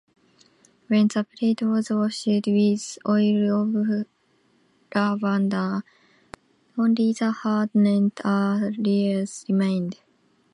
When the plate was washed with oil of lavender, only the hardened areas remained.